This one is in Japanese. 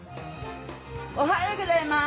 おはようございます。